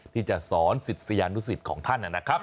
ที่จะสอนสิทธิ์สยานุสิทธิ์ของท่านนะครับ